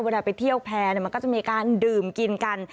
เวลาไปเที่ยวแพร่มันก็จะมีการดื่มกินกัน